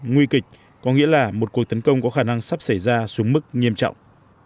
nguy kịch có nghĩa là một cuộc tấn công có khả năng sắp xảy ra xuống mức nghiêm trọng